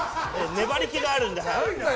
粘り気があるので。